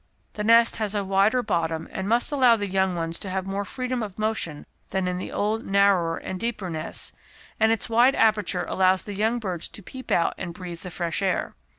The nest has a wider bottom and must allow the young ones to have more freedom of motion than in the old narrower, and deeper nests, and its wide aperture allows the young birds to peep out and breathe the fresh air.